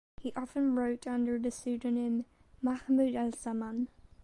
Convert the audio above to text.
He often wrote under the pseudonym Mahmud al Zaman.